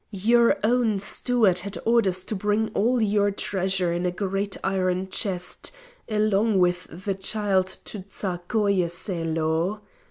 Your own steward had orders to bring all your treasure in a great iron chest along with the child to Tsarskoye Selo.